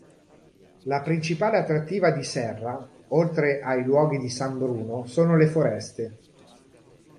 La principale attrattiva di Serra, oltre ai luoghi di San Bruno, sono le foreste.